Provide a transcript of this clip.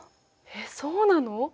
えっそうなの！？